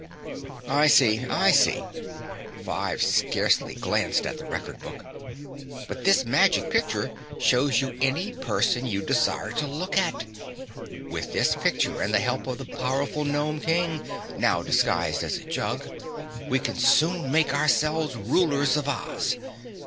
"I see, I see!" Five scarcely glanced at the record book. "But this magic picture shows you any person you desire to look at. With this picture and the help of the powerful Gnome King, now disguised as a jug, we can soon make ourselves rulers of Oz.